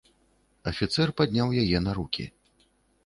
Афіцэр падняў яе на рукі.